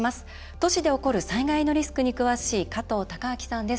都市で起こる災害のリスクに詳しい加藤孝明さんです。